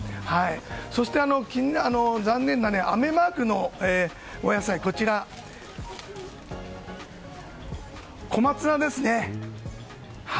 そして残念な雨マークのお野菜は小松菜ですね。